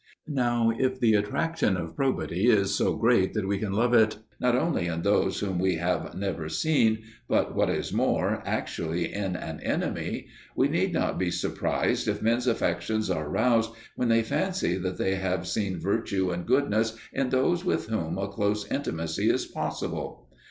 Now, if the attraction of probity is so great that we can love it not only in those whom we have never seen, but, what is more, actually in an enemy, we need not be surprised if men's affections are roused when they fancy that they have seen virtue and goodness in those with whom a close intimacy is possible.